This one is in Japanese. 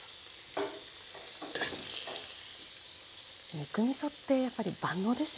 肉みそってやっぱり万能ですよね。